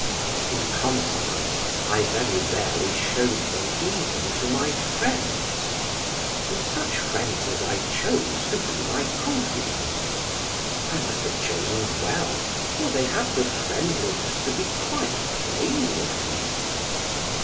In consequence, I very rarely showed them even to my friends; and such friends as I chose to be my confidants I must have chosen well, for they had the friendliness to be quite plain with me.